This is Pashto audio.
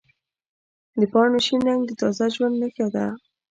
د پاڼو شین رنګ د تازه ژوند نښه ده.